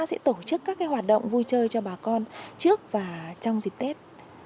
sẽ tổ chức các hoạt động vui chơi cho bà con trước và trong dịp tết